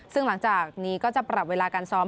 ซึ่งหลังจากนี้ก็จะปรับเวลาการซ้อม